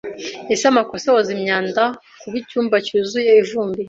Ese amakosa yoza imyanda kuba icyumba cyuzuye ivumbi?